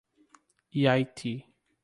Iati